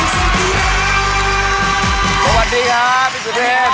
สวัสดีครับพี่สุเทพ